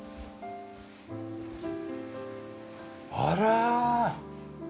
あら！